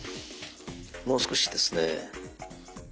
もう少しですね。